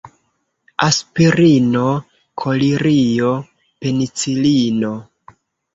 Aspirino, kolirio, penicilino.